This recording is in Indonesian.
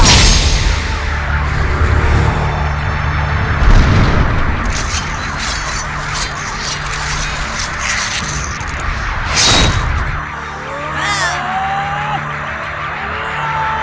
aneh seperti ada kekuatan tambahan yang melindungi gadis ini